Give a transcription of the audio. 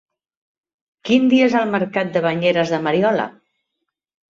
Quin dia és el mercat de Banyeres de Mariola?